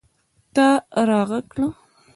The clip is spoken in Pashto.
ته راږغ کړه !